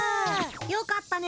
よかったね。